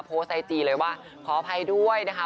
โพสต์ไอจีเลยว่าขออภัยด้วยนะคะ